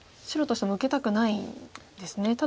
白としても受けたくないんですね。